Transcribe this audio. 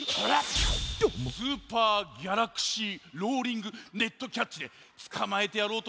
「スーパー・ギャラクシー・ローリング・ネット・キャッチ」でつかまえてやろうとおもったのにな。